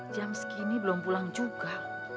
jam segini belum pulang juga